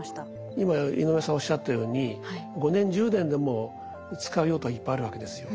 今井上さんおっしゃったように５年１０年でも使う用途はいっぱいあるわけですよ。